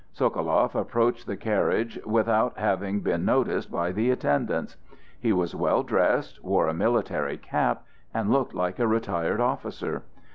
Sokoloff approached the carriage without having been noticed by the attendants. He was well dressed, wore a military cap, and looked like a retired officer.